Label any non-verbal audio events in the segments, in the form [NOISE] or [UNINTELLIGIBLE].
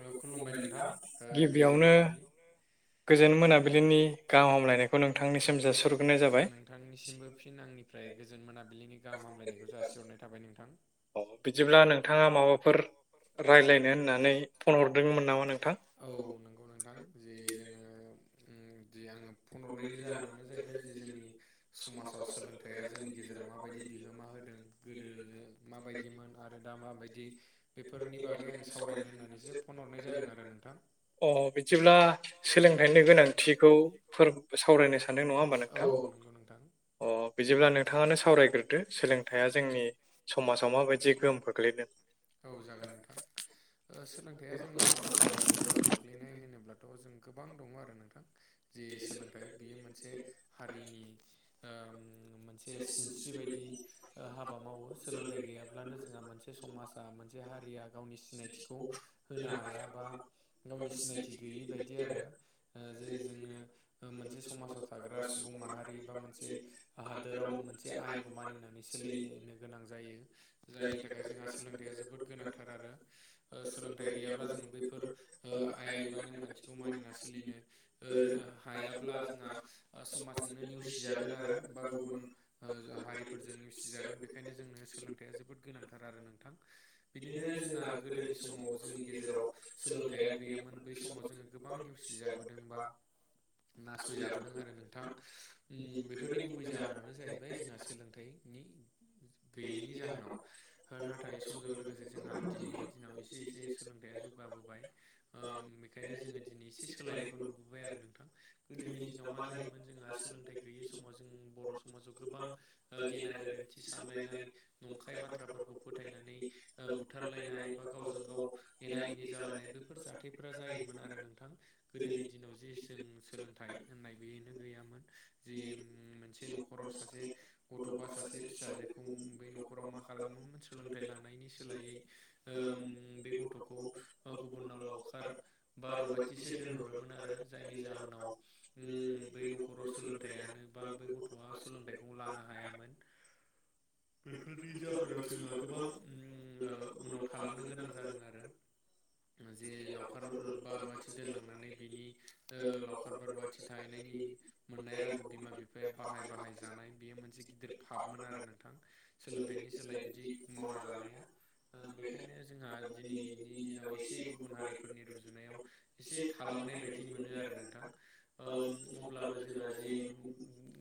ओ खुलुमबाय नोंथां गोजोन गिबियावनो मोनाबिलि गोजोन मोनाबिलिनि गाहाम हामलायनायखौ नोंथांनिसिम जासिहरग्रोनाय जाबाय नोंथांनिसिमबो फिन आंनिफ्राय गोजोन मोनाबिलिनि गाहाम हामलायनायखौ जासिहरनाय थाबाय नोंथां। बिदिब्ला नोंथाङा माबाफोर रायज्लायनो होननानै फन हरदोंमोन नामा नोंथां? औ नंगौ नोंथां जे जोङो ओम जे आङो फनहरनायनि जाहोनानो जाहैबाय जे जोंनि समाजाव सोलोंथाइया जोंनि गेजेराव माबायदि बिहोमा होदों गोदो माबायदिमोन आरो दा माबायदि बेफोरनि बागै आङो सावरायनो होननानैसो फन हरनाय जादों आरो नोंथां अ बिदिब्ला सोलोंथाइनि गोनांथिखौ फोर सावरायनो सानदों नङा होमबा औ नोंथां? औ नंगौ नोंथां अ बिदिब्ला नोंथाङानो सावरायग्रोदो सोलोंथाइया जोंनि समाजाव माबायदि गोहोम खोख्लैदों औ जागोन नोंथां दा सोलोंथाइया जोंनि समाजाव औ गोहोम खोख्लैनाय होनोब्लाथ' जों गोबां दङ आरो नोंथां। जे सोलोंथाइ बियो मोनसे हारिनि ओम मोनसे सिनस्रि बायदि ओ हाबा मावो सोलोंथाइ गैयाब्लानो जोंहा मोनसे समाज ओ मोनसे हारिया गावनि सिनायथिखौ होनो हाया बा गावनि सिनायथि गैयै बायदि आरो। ओ जे जोंनो मोनसे समाजाव थाग्रा सुबुं माहारि बा मोनसे हाद हादोराव मोनसे आयेनखौ मानिनानै सोलिनो गोनां जायो जायनि थाखाय जोंहा सोलोंथाइया जोबोद गोनांथार आरो ओ सोलोंथाइ गैयाब्ला जोङो बैफोर ओ आयेन बा नेमखान्थिखौ मानिना सोलिनो ओ हायाब्ला जोंहा समाजजोंनो नेवसिजागोन आरो गुबुन ओ हारिफोरजों नेवसिजागोन बेखायनो जोंनो सोलोंथाइया जोबोद गोनांथार आरो नों नोंथां बिदिनो जोंहा गोदोनि समाव जोंनि गेजेराव सोलोंथाइया गैयामोन बै समाव जोङो गोबां नेवसि जाबोदों बा नासयजाबोदों आरो नोंथां ओम बेफोरनि गुबै जाहोनानो जाहैबाय जोंहा सोलोंथाइनि गैयैनि जाहोनाव ओ नाथ नाथाय समजों लोगोसे जोंहा दिनैनि दिनाव एसे एसे सोलोंथाइया जौगाबोबाय ओ बेखायनो जोङो दिनै एसे सोलायनायखौ नुबोबाय आरो नोंथां गोदोनि दिनाव मा जायोमोन जोंहा सोलोंथाइ गैयै समाव जों बर' समाजाव गोबां गेना गोरोन्थि सानलायनाय नंखाय बाथ्राफोरखौ फोथायनानै ओ बुथारलायनाय बा गावजों गाव एना एनि जालायनाय बेफोर हाथायफोरा जायोमोन आरो नोंथां गोदोनि दिनाव जे जों सोलोंथाइ होननाय बेनो गैयामोन जिम ओम मोनसे न'खराव सासे गथ' बा‌ सासे फिसाजोखौ न'खराव मा खालामो सोलोंथाइ लानायनि सोलायै बे गथ'खौ गुबुननाव लावखार बा रुवाथिसो दोनहरोमोन आरो जायनि जाहोनाव ओम बै न'खराव सोलोंथाइयानो बा बै गथ' बहा औसोलोंथाइखौ लानो हायामोन बेफोरनि जाहोनाव जोंहा गोबां ओम ओ उनाव थालांनो गोनां जादों आरो जे लावखार बा रुवाथि दोनलांनानै बेनि लावखार बा रुवाथि थाहैनायनि मोननाय रांखौ बिमा बिफाया बिफाया बाहाय बाहाय जानाय बेयो मोनसे गिदिर फाबमोन आरो नोंथां सोलोंथाइनि सोलाय बिदि मावना जानाया ओ बेखायनो जोंहा दिनैनि दिनाव एसे गुबुन हारिफोरनि रुजुनायाव एसे थालांनाय बायदि मोनो आरो नोंथां। ओ उम अब्लाबो जोंहा जे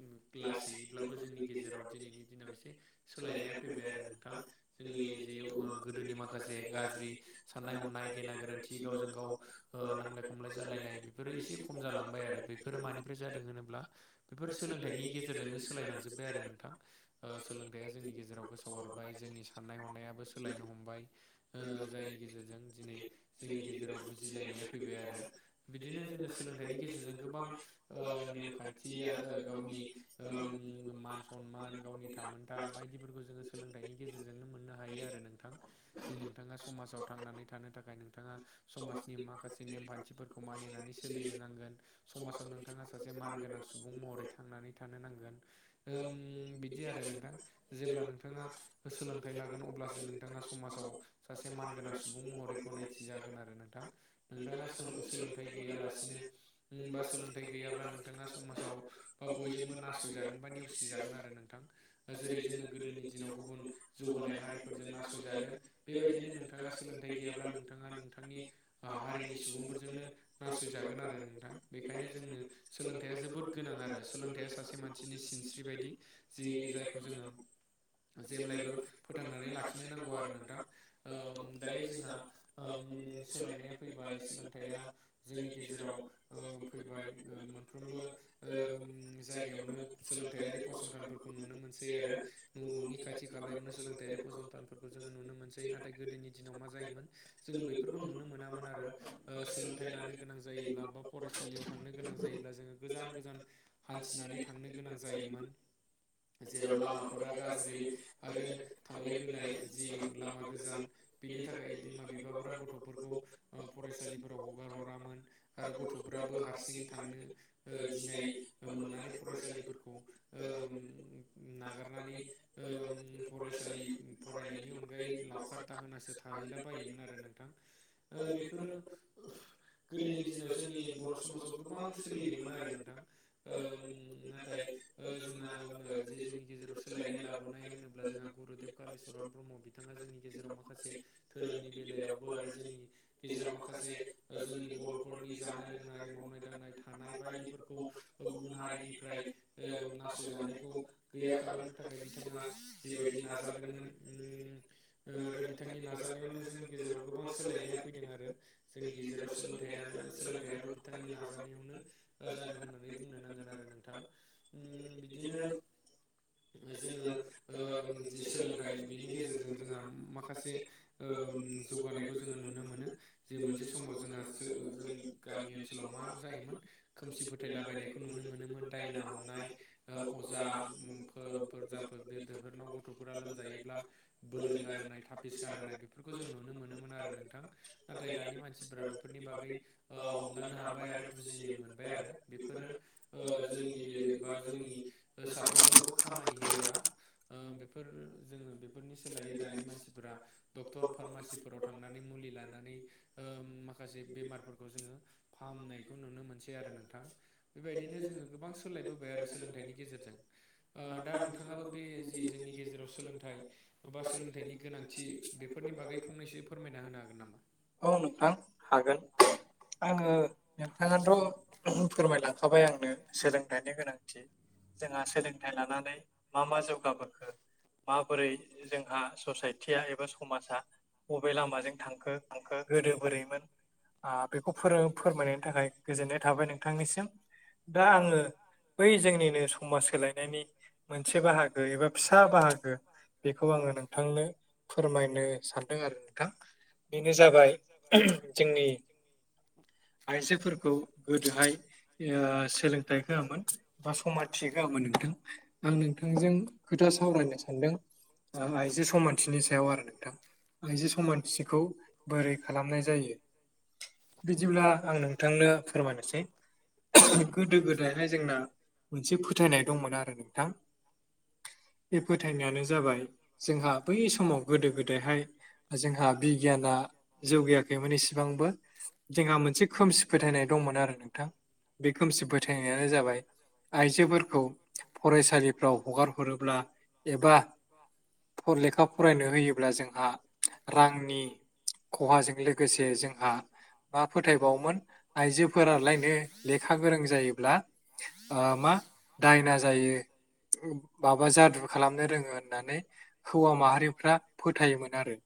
उम ग्लास हैैयैब्लाबो जोंनि गेजेराव दिनैनि दिनाव एसे सोलायनाया फैबाय आरो नोंथां। जोंनि जि गोदोनि माखासे गाज्रि साननाय हनाय गेना गोरोन्थि गावजों गाव ओ नांलाय खमलाय जालायनाय बेफोरो एसे खम जालांबाय आरो बेफोरो मानिफ्राय जादों होनोब्ला बेफोर सोलोंथाइनि गेजेरजोंनो सोलायलांजोब्बाय आरो नोंथां। ओ सोलोंथाइया जोंनि गेजेराव गोसो हरबाय जोंनि नाय हनायाबो सोलायनो हमबाय ओ जायनि गेजेरजों दिनै जोंनि गेजेराव बुजिलायनाया फैबाय आरो बिदिनो जोङो सोलोंथाइनि गेजेरजों ओ गोबां नेमखान्थि आजा गावनि ओम मान सनमान गावनि थामोनथा बायदिफोरखौ जोङो सोलोंथाइनि गेजे गेजेरजोंनो मोननो हायो आरो नोंथां। जे नोंथाङा समाजाव थांनानै थानो थाखाय नोंथाङा समाजनि माखासे नेमखान्थिफोरखौ मानिनानै सोलिनो नांगोन समाजाव नोंथाङा सासे मानगोनां सुबुं महरै थांनानै थानो नांगोन ओम बिदि आरो नोंथां जेब्ला नोंथाङा सोलोंथाइ लागोन अब्लासो नोंथाङा समाजाव सासे मानगोनां सुबुं महरैखौ नायथिजागोन आरो नोंथां। नोंथाङा सो सोलोंथाइ गैयालासिनो बा सोलोंथाइ गैयाब्ला नोंथाङा समाजाव बा बयजोंबो नासयजागोन बा नेवसिजागोन आरो नोंथां दा जेरै जोङो गोदोनि दिनाव गुबुन जौगानाय हारिफोरजों नासयजादों बेबायदिनो नोंथाङा सोलोंथाइ गैयाब्ला नोंथाङा नोंथांनि हारिनि सुबुंफोरजोंनो नासयजागोन आरो नोंथां बेखायनो जोंनो सोलोंथाइया जोबोद बहुद गोनां आरो सोलोंथाइया सासे मानसिनि सिनस्रि बायदि जि जायखौ जोङो जेब्लाय बो फोथांनानै लाखिनो नांगौ आरो नोंथां ओ उम दायो जोंहा ओम सोलायनाया फैबाय सोलोंथाइया जोंनि गेजेराव ओ फैबाय मोनफ्रोमबो ओम जायगायावनो सोलोंथायारि फसंथानफोरखौ नुनो मोनसै आरो न'नि खाथि खालायावनो सोलोंथाइयारि फसंथानफोर खौ जोङो नुनो मोनसै नाथाय गोदोनि दिनाव मा जायोमोन जोङो बेफोरखौ नुनो मोनामोन आरो ओ सोलोंथाइ लानो गोनां जायोब्ला बा फरायसालियाव थांनो गोनां जायोब्ला जोङो गोजान गोजान हान्थिनानै थांनो गोनां जायोमोन जेराव लामाफोरा गाज्रि आरो थांलाय फैलाय जि लामा गोजान बिनि थाखाय बिमा बिफाफोरा गथ'फोरखौ ओ फरायसालिफोराव हगार हरामोन आरो गथ'फ्राबो हारसिं थांनो ओ गि ओ मोननानै फरायसालिफोरखौ ओम नागारनानै ओम फरायसालि फरायनायनि अनगायै लावखार दाहोनासो थाहैला बायोमोन आरो नोंथां ओ बेफोरो उफ गोदोनि दिनाव जोंनि बर' समाजाव गोबां सोलिदोंमोन आरो नोंथां ओ उम नाथाय ओ जोंहा जे जोंनि गेजेराव सोलायनाय लाबोनाय होनो ब्ला जोंहा गुरुदेब कालिचरन ब्रह्म बिथाङा गेजेराव माखासे धोरोमनि बेलायावबो आरो जोंनि गेजेराव माखासे ओ जोंनि बर'फोरनि जानाय लोंनाय मावनाय दांनाय थानाय बायदि फोरखौ गुबुन हारिनिफ्राय ओ नासयजानायखौ गैया खालामनो थाखा खाय बिथाङा जिबायदि नाजादोंमोन उम ओ आरो बिथांनि नाजानायावनो जोंनि गेजेराव गोबां सोलायनाया फैदों आरो जोंनि गेजेराव सोलोंथाइयानो सोलोंथाइयाबो बिथांनि नाजानायावनो जादों होननानै बुंनो नांगोन आरो नोंथां ओम बिदिनो जोङो ओम जि सोलोंथाइ बेनि गेजेरजों जोंहा माखासे ओम जौगानाय खौ जोङो नुनो मोनो जे मोनसे समाव जोंहा जोंनि गामि ओनसोलाव मा जायोमोन खोमसि फोथायलाबायनायखौ नुनो मोनोमोन दायना हमनाय ओ अजा फोर फोरजाफोर बेदोफोरनाव गथ'फोरा लोमजायोब्ला बोन्दों गानहोनाय थाफिस गानहोनाय बेफोरखौ जों नुनो मोनोमोन आरो नोंथां नाथाय दानि मानसिफोरा बेफोरनि बागै ओ हमदांनो हाबाय आरो बुजिनो मोनबाय आरो बेफोरो ओ जोंनि बा जोंनि साफ्रोमनियावबो खामानि होया ओ बेफोर जोङो बेफोरनि सोलायै दानि मानसि फ्रा डक्टर फार्मासिफोराव थांनानै मुलि लानानै ओम माखासे बेमारफोरखौ जोङो फाहामनायखौ नुनो मोनसै आरो नोंथां बेबायदिनो जोङो गोबां सोलायबोबाय आरो सोलोंथाइनि गेजेरजों दा ओ नोंथाङाबो बे जि जोंनि गेजेराव सोलोंथाइ एबा सोलोंथाइनि गोनांथि बेफोरनि बागै फंनैसो फोरमायना होनो हागोन नामा औ नोंथां हागोन आङो नोंथाङाथ' फोरमायलांखाबाय आंनो सोलोंथाइनि गोनांथि जोंहा सोलोंथाइ लानानै मा मा जौगाबोखो माबोरै जोंहा ससाइटिया एबा समाजा बबे लामाजों थांखो गोदो बोरैमोन आं बेखौ फोरों फोरमायनायनि थाखाय गोजोननाय थाबाय नोंथांनिसिम दा आङो बै जोंनिनो समाज सोलायनायनि मोनसे बाहागो एबा फिसा बाहागो बेखौ आङो नोंथांनो फोरमायनो सानदों आरो नोंथां बेनो जाबाय जोंनि आइजोफोरखौ गोदोहाय ओ सोलोंथाइ होआमोन बा समाथि होआमोन नोंथां आं नोंथांजों खोथा सावरायनो सानदों ओ आइजो समानथिनि सायाव आरो नोंथां। आइजो समानथिखौ बोरै खालामनाय जायो। बिदिब्ला आं नोंथांनो फोरमायनोसै गोदो गोदायहाय जोंना मोनसे फोथायनाय दंमोन आरो नोंथां। लांदां बे फोथायनायानो जाबाय जोंहा बै समाव गोदो गोदायहाय। जोंहा बिगियाना जौगायाखैमोन एसेबांबो जोंहा मोनसे खोमसि फोथायनाय दंमोन आरो नोंथां बे खोमसि फोथायनायानो जाबाय गोदो आइजोफोरखौ हगार फरायसालिफ्राव हरोब्ला एबा ओ औ लेखा फरायनो होयोब्ला जोंहा रांनि खहाजों लोगोसे जोंहा मा फोथायबावोमोन आइजोफोरालायनो लेखा गोरों जायोब्ला ओ मा ज न जायो ना जायो माबा जादु खालामनो रोङो होननानै हौवा माहारिफ्रा फोथायोमोन आरो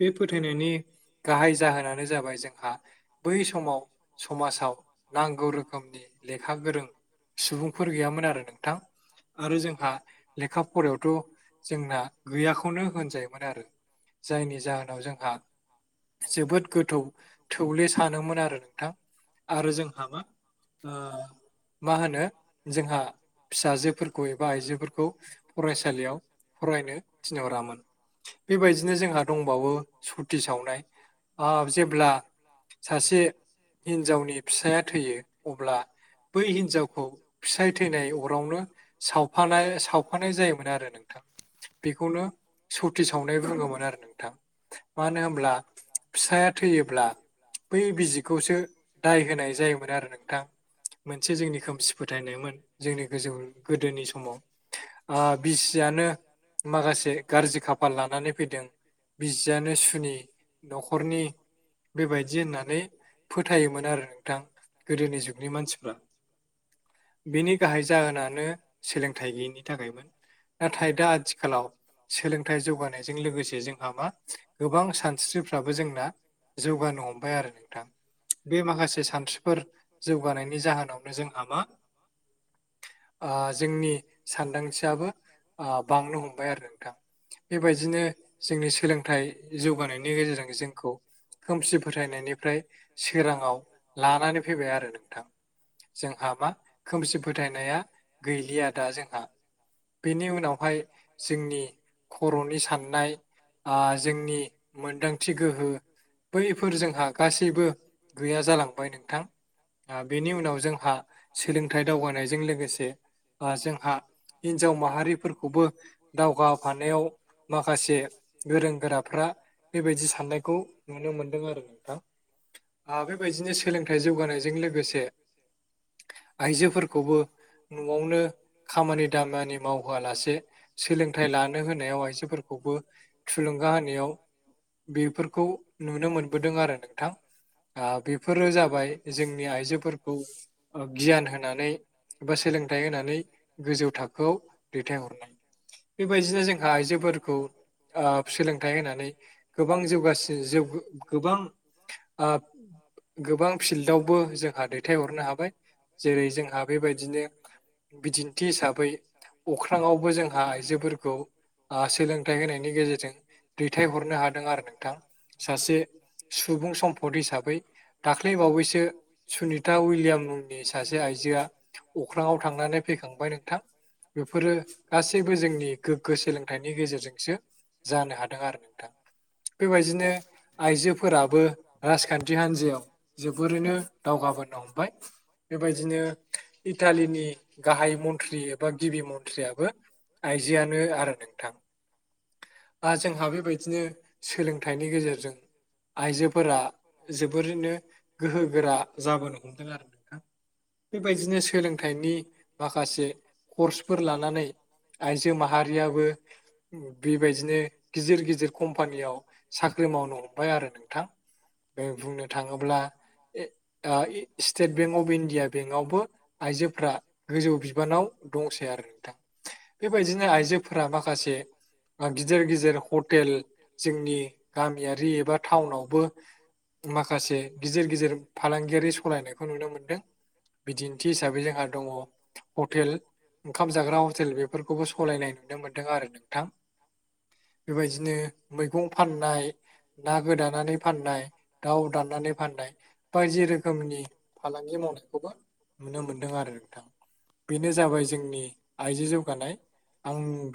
बे फोथायनायनि गाहाय जाहोनानो जाबाय जोंहा बै समाव समाजाव नांगौ रोखोमनि लेखा गोरों सुबुंफोर गैयामोन आरो नोंथां। आरो जोंहा लेखा फरायायावथ' जोंना गैयाखौनो होनजायोमोन आरो। जायनि जाहोनाव जोंहा। जोबोद गोथौ थौले सानोमोन आरो नोंथां आरो जों ओ मा होनो जोंहा फिसाजोफोरखौ एबा आइजोफोरखौ फरायसालियाव फरायनो थिनहरामोन। बेबादिनो जोंहा दंबावो सथि सावनाय ओ जेब्ला सासे हिनजावनि फैयो अब्ला बै हिनजाव खौ फिसाय थैनाय अरावनो सावफानाय-सावफानाय जायोमोन आरो नोंथां। बेखौनो सथि सावनाय बुङोमोन आरो नोंथां। मानो होनब्ला फिसाया थैयोब्ला बै बिजिखौसो दाय होनाय जायो मोन आरो नोंथां। मोनसे जोंनि खोमसि फोथायनायमोन जोंनि गोजौ गोदोनि समाव। ओ बिसियानो माखासे गाज्रि खाफाल लानानै फैदों बिसियानो सुनि न'खरनि बेबादि होननानै फोथायोमोन आरो नोंथां गोदोनि जुगनि मानसिफ्रा। बिनि गाहाय जाहोनानो सोलोंथाइ गैयैनि थाखायमोन। नाथाय दा आथिखालाव नयस सोलोंथाइ जौगानायजों लोगोसे जोंहा मा गोबां सानस्रिफ्राबो जोंना जौगानो हमबाय आरो नोंथां। बे माखासे सानस्रि फोर जौगानायनि जाहोनावनो जोंहा मा ओ जोंनि सानदांथियाबो ओ बांनो हमबाय आरो नोंथां। बेबायदिनो जोंनि सोलोंथाइ जौगानायनि गेजेरजों जोंखौ खोमसि फोथायनायनिफ्राय सोराङाव लानानै फैबाय आरो नोंथां जोंहा मा खोमसि फोथायनाया गैलिया दा जोंहा। बेनि उनावहाय जोंनि खर'नि साननाय ओ जोंनि मोनदांथि गोहो बैफोर जोंहा गासैबो गैया जालांबाय नोंथां। बेनि उनाव जोंहा सोलोंथाइ दावगानायजों लोगोसे ओ जोंहा हिन्जाव माहारिफोरखौबो दावगाफानायाव माखासे गोरों गोराफ्रा बेबायदि साननायखौ नुनो मोनदों आरो नोंथां। ओ बेबायदिनो सोलोंथाइ जौ जौगानायजों लोगोसे आइजोफोरखौबो न'आवनो खामानि दामानि मावहोआलासे सोलोंथाइ लानो होनायाव आइजोफोरखौबो थुलुंगा होनायाव [UNINTELLIGIBLE] बेफोरखौ नुनो मोनबोदों आरो नोंथां ओ बेफोरो जाबाय जोंनि आइजोफोरखौ ओ गियान होनानै एबा सोलोंथाइ होनानै गोजौ थाखोआव दैथायहरनाय। बेबायदिनो जोंहा आइजोफोरखौ ओ सोलोंथाइ होनानै गोबां जौगासै जौगा [UNINTELLIGIBLE] गोबां फिल्डआवबो जोंहा दैथायहरनो हाबाय जेरै जोंहा बेबायदिनो बिदिन्थि हिसाबै अख्राङावबो जोंहा आइजोफोरखौ ओ सोलोंथाइ होनायनि गेजेरजों दैथायहरनो हादों आरो नोंथां। सासे सासे सुबुं सम्पद हिसाबै हिसाबै दाख्लै बावैसो सुनिता उइलियाम मुंनि सासे आइजोआ [UNINTELLIGIBLE] अख्राङाव थांनानै फैखांबाय नोंथां। बेफोरो गासैबो जोंनि गोग्गो गेजेरजोंसो जानो हादों आरो नोंथां। बेबायदिनो आइजोफोराबो राजखान्थि हान्जायाव जोबोरैनो दावगाबोनो हमबाय बेबायदिनो इटालिनि गाहाय मन्त्रि एबा गिबि मन्थ्रियाबो आइजोआनो आरो नोंथां। ओ जोंहा बेबादिनो सोलोंथाइनि गेजेरजों आइजोफोरा जोबोरैनो गोहो गोरा जाबोनो हमदों आरो नोंथां। बेबायदिनो सोलोंथाइनि माखासे कर्सफोर लानानै आइजो माहारियाबो बेबायदि बिदिनो गिदिर गिदिर कम्पानियाव साख्रि मावनो हमबाय आरो नोंथां। जों बुंनो थाङोब्ला आ state bank of India bank आवबो आइजोफ्रा गोजौ बिबानाव दंसै आरो नोंथां। थिग बिदिनो आइजोफोरा माखासे आ गिदिर गिदिर हटेल जोंनि गामियारि एबा टाउनावबो माखासे गिदिर गिदिर फालांगियारि सलायनायखौ नुनो मोनदों। बिदिन्थि हिसाबै जोंहा दङ हटेल ओंखाम जाग्रा हटेल बेफोरखौबो सलायनाय नुनो मोन्दों आरो नोंथां। बेबायदिनो मैगं फाननाय ना गोदानानै फाननाय दाउ दानानानै फाननाय बायदि रोखोमनि फालांगि मावनायखौबो नुनो मोनदों आरो नोंथां। बेनो जाबाय जोंनि आइजो जौगानाय आं